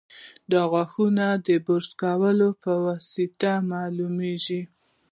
د غاښونو د برس کولو په واسطه معلومېږي.